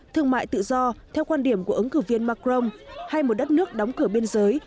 thương mại tự do theo quan điểm của ứng cử viên macron hay một đất nước đóng cửa biên giới